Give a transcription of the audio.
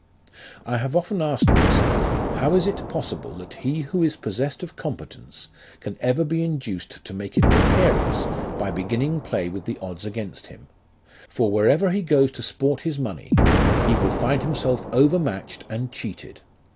" I have often asked myself, how it is possible that he who is possessed of competence, can ever be induced to make it precarious by beginning play with the odds against him ; for wherever he goes to sport his money, he 122 LIFE OF RICHAKD NASH. will find himself over matched and cheated.